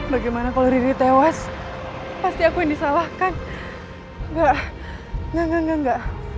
bagaimana kalau diri tewas pasti aku yang disalahkan enggak enggak enggak